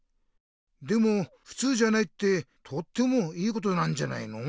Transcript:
でもふつうじゃないってとってもいいことなんじゃないの。